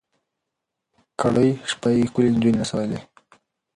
کرۍ شپه یې ښکلي نجوني نڅولې